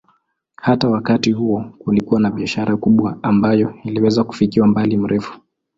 Hata wakati huo kulikuwa na biashara kubwa ambayo iliweza kufikia umbali mrefu.